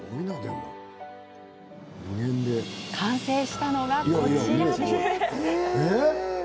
完成したのがこちらです。